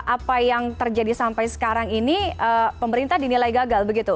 apa yang terjadi sampai sekarang ini pemerintah dinilai gagal begitu